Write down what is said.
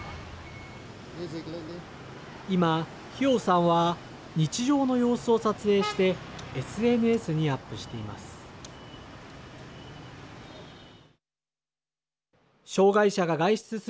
今、ヒヨウさんは日常の様子を撮影してＳＮＳにアップしています。